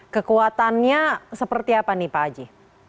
kekuatannya seperti apa nih pak haji